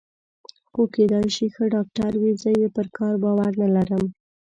خو کېدای شي ښه ډاکټر وي، زه یې پر کار باور نه لرم.